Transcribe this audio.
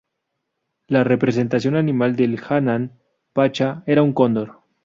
La representación animal del Hanan Pacha era un cóndor.